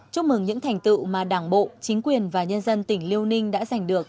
chúc mừng những thành tựu mà đảng bộ chính quyền và nhân dân tỉnh liêu ninh đã giành được